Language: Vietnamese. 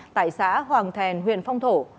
tại xã hoàng thèn huyện phong thổ